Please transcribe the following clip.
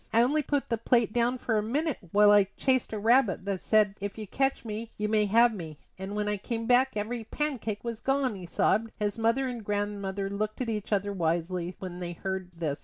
"I only put the plate down for a minute while I chased a rabbit that said, 'If you catch me you may have me;' and when I came back every pancake was gone," he sobbed. His mother and grandmother looked at each other wisely when they heard this.